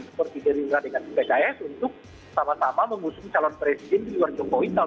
seperti di luar dengan pks untuk sama sama mengusung calon presiden di luar jokowi tahun dua ribu dua puluh